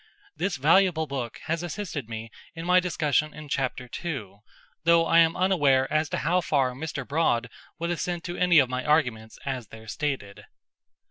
This valuable book has assisted me in my discussion in Chapter II, though I am unaware as to how far Mr Broad would assent to any of my arguments as there stated.